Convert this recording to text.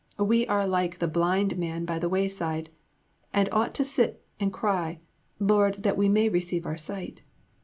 We are like the blind men by the wayside, and ought to sit and cry, Lord that we may receive our sight!